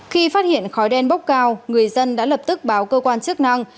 khi phát hiện khói đen bốc cao người dân đã lập tức báo cơ quan chức năng